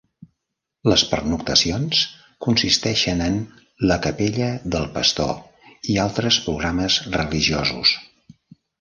Les pernoctacions consisteixen en "La capella del pastor" i altres programes religiosos.